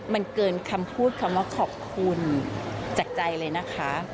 มันเกินคำพูดคำว่าขอบคุณจากใจเลยนะคะ